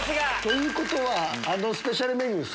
ということはスペシャルメニュー